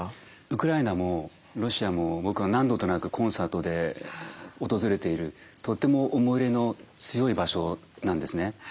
ウクライナもロシアも僕は何度となくコンサートで訪れているとっても思い入れの強い場所なんですね。